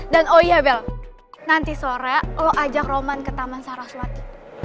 dan oh iya bel nanti sore lo ajak roman ke taman saraswati